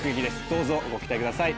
どうぞご期待ください